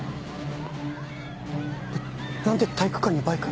何で体育館にバイク？